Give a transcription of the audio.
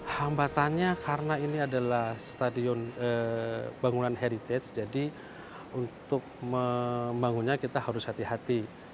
hambatannya karena ini adalah bangunan heritage jadi untuk membangunnya kita harus hati hati